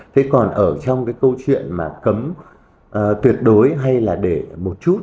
trong cái câu chuyện mà cấm tuyệt đối hay là để một chút